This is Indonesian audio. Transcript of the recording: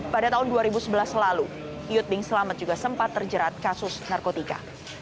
pada tahun dua ribu sebelas lalu yudding selamat juga sempat terjerat kasus narkotika